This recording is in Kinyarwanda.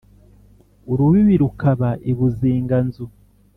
urubibi rukaba i buziga-nzu.